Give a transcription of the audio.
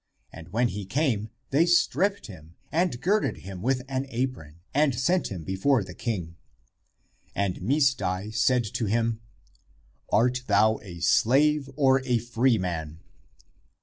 And when he came, they stripped him, and girded him with an apron, and set him before the king. And Misdai said to him, "Art thou a slave or a freeman?"